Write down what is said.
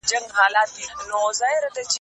سوسياليستي فکر د بشر خلاف دی.